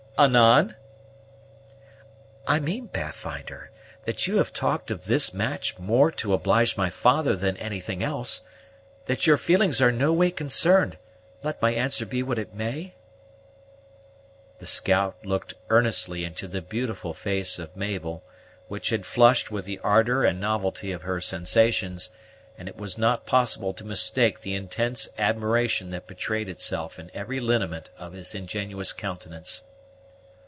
"Anan?" "I mean, Pathfinder, that you have talked of this match more to oblige my father than anything else; that your feelings are no way concerned, let my answer be what it may?" The scout looked earnestly into the beautiful face of Mabel, which had flushed with the ardor and novelty of her sensations, and it was not possible to mistake the intense admiration that betrayed itself in every lineament of his ingenuous countenance.